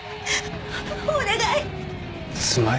お願い！